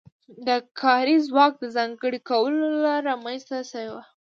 د کاري ځواک د ځانګړي کولو له لارې رامنځته شوې وه.